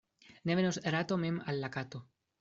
Ne venos rato mem al la kato.